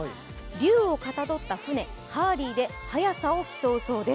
竜をかたどった船、ハーリーで速さを競うそうです。